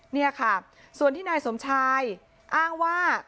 นี่ค่ะส่วนที่นายสมชายอ้างว่า